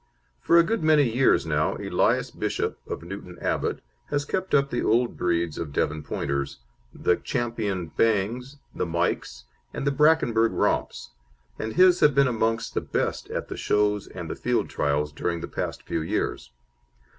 For a good many years now Elias Bishop, of Newton Abbot, has kept up the old breeds of Devon Pointers, the Ch. Bangs, the Mikes, and the Brackenburg Romps, and his have been amongst the best at the shows and the field trials during the past few years.